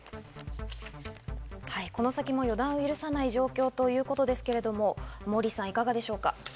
この先も予断を許さない状況ということですけど、モーリーさん、いかがでしょうか。